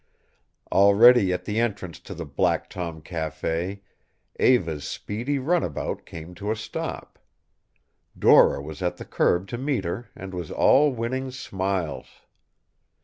Already at the entrance to the Black Tom Café Eva's speedy runabout came to a stop. Dora was at the curb to meet her and was all winning smiles.